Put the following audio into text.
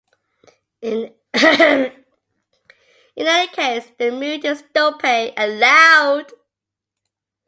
In any case, the mood is dopey and loud.